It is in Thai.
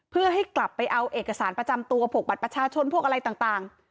เพื่อให้กลับไปเอาเอกสารประจำตัวผกบัตรประชาชนพวกอะไรต่าง